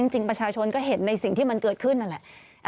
จริงประชาชนก็เห็นในสิ่งที่มันเกิดขึ้นนั่นแหละ